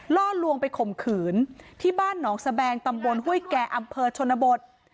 ล่อลวงไปข่มขืนที่บ้านหนองสแบงตำบลห้วยแก่อำเภอชนบท